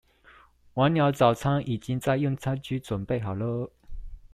晚鳥早餐已經在用餐區準備好囉